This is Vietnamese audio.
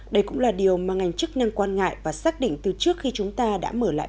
đây cũng là điều mà ngành chức năng quan ngại và xác định từ trước khi chúng ta đã mở lại